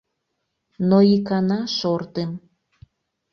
Но икана шортым.